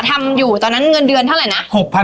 ทำอยู่เงินเงินเท่าไรนะ